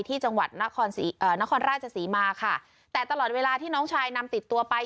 ที่จังหวัดนครราชศรีมาค่ะแต่ตลอดเวลาที่น้องชายนำติดตัวไป